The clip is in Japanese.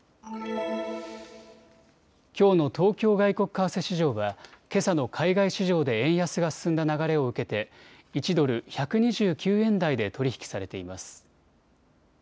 きょうの東京外国為替市場はけさの海外市場で円安が進んだ流れを受けて１ドル１２９円台で取り引きされています。